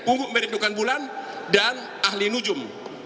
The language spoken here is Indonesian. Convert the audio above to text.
untuk merindukan bulan dan ahli nujum